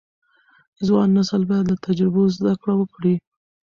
ځوان نسل باید له تجربو زده کړه وکړي.